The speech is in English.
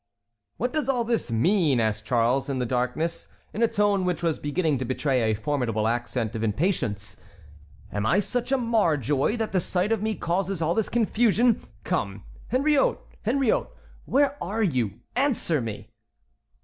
"What does all this mean?" asked Charles, in the darkness, in a tone which was beginning to betray a formidable accent of impatience. "Am I such a mar joy that the sight of me causes all this confusion? Come, Henriot! Henriot! where are you? Answer me."